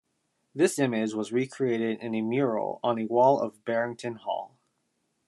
This image was re-created in a mural on a wall of Barrington Hall.